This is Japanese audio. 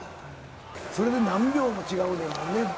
それで何秒も違うんやもんね。